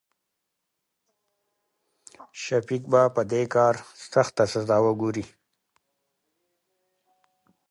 شفيق به په د کار سخته سزا وګوري.